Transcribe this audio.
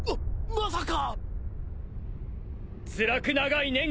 まさか。